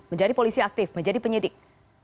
menjadi polisi aktif menjadi penyidik